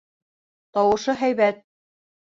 Тауышы һәйбәт.